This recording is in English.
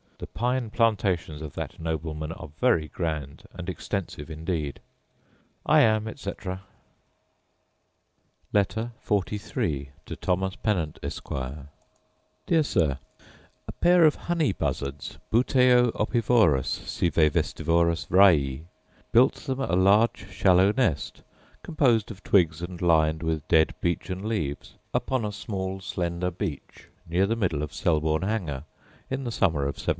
The pine plantations of that nobleman are very grand and extensive indeed. I am, etc. Letter XLIII To Thomas Pennant, Esquire Dear Sir, A pair of honey buzzards, buteo opivorus, sive vespivorus Raii, built them a large shallow nest, composed of twigs and lined with dead beechen leaves, upon a tall slender beech near the middle of Selborne hanger, in the summer of 1780.